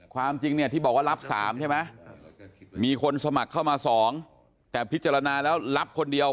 ความจริงเนี่ยที่บอกว่ารับ๓ใช่ไหมมีคนสมัครเข้ามา๒แต่พิจารณาแล้วรับคนเดียว